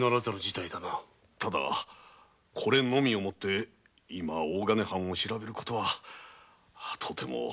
ただこれのみをもって今大金藩を調べる事はとても。